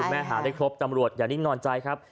แม่หาได้ครบตำรวจอย่านิ่งนอนใจครับ